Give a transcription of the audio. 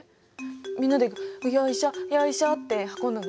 みんなでよいしょよいしょって運んだの？